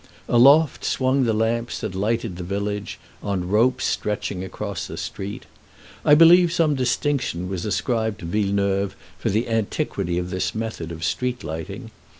Aloft swung the lamps that lighted the village, on ropes stretching across the street. I believe some distinction was ascribed to Villeneuve for the antiquity of this method of street lighting.